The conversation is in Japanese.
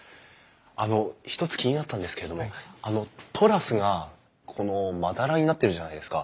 あの一つ気になったんですけれどもあのトラスがこのまだらになってるじゃないですか。